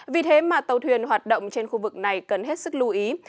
vì thế mà tàu thuyền hoạt động trên khu vực này cần hết sức lưu ý